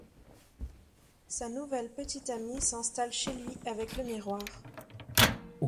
Sa nouvelle petite amie s'installe chez lui avec le miroir.